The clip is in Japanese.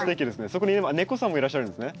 そこに今猫さんもいらっしゃるんですね。